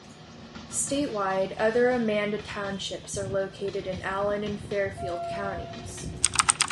Statewide, other Amanda Townships are located in Allen and Fairfield counties.